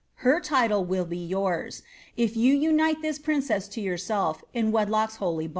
Ber titU wiU be yimr$ If you unite this princess to yourself In wedlock's holy bond."